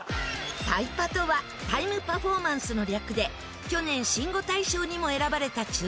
タイパとはタイムパフォーマンスの略で去年新語大賞にも選ばれた注目ワード。